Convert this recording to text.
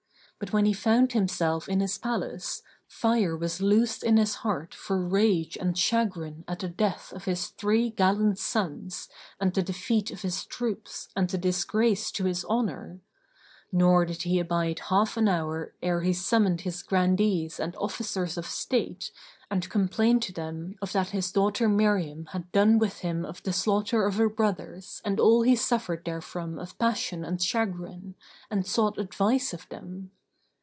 But when he found himself in his palace, fire was loosed in his heart for rage and chagrin at the death of his three gallant sons and the defeat of his troops and the disgrace to his honour; nor did he abide half an hour ere he summoned his Grandees and Officers of state and complained to them of that his daughter Miriam had done with him of the slaughter of her brothers and all he suffered therefrom of passion and chagrin, and sought advice of them.